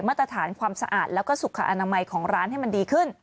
มาตรฐานความสะอาดและสุขอาณาไมของร้านให้มันดีขึ้น